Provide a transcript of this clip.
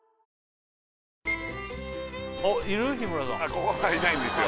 ここはいないんですよ